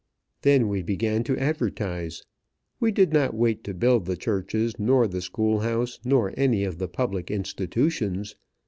Then we began to advertise. We did not wait to build the churches nor the school house, nor any of the public institutions.